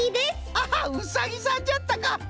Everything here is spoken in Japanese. ハハッうさぎさんじゃったか！